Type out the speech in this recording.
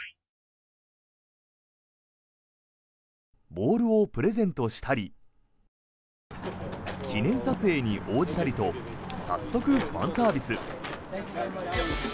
ボールをプレゼントしたり記念撮影に応じたりと早速、ファンサービス。